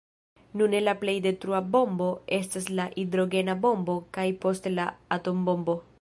Nune la plej detrua bombo estas la hidrogena bombo kaj poste la atombombo.